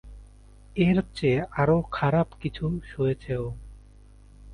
এর চেয়ে আরও খারাপ কিছু সয়েছে ও।